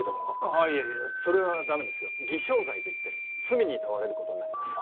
ああいえそれはダメですよ偽証罪といって罪に問われることになります